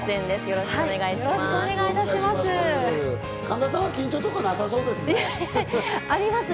よろしくお願いします。